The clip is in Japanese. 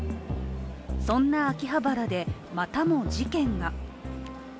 そんな秋葉原で、またも事件が。